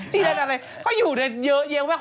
จีลานนั่นอะไรเขาอยู่ในเยอะเยี่ยมแปลก